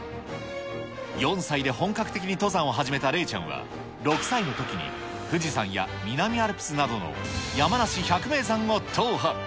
４歳で本格的に登山を始めた嶺ちゃんは、６歳のときに、富士山や南アルプスなどの山梨百名山を踏破。